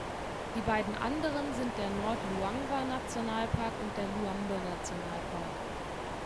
Die beiden anderen sind der Nordluangwa-Nationalpark und der Luambe-Nationalpark.